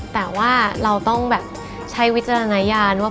แต่ว่าเราต้องแบบใช้วิจารณญาณว่า